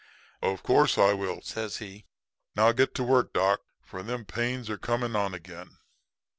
"'Of course I will,' says he. 'And now get to work, doc, for them pains are coming on again.'